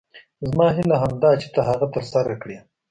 زما هیله همدا ده چې ته هغه تر سره کړې.